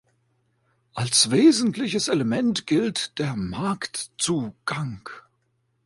Als wesentliches Element gilt der Marktzugang.